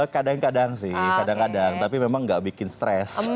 kadang kadang sih kadang kadang tapi memang nggak bikin stres